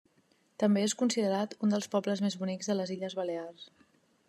També és considerat un dels pobles més bonics de les Illes Balears.